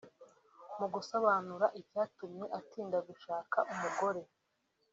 Mu gusobanura icyatumye atinda gushaka umugore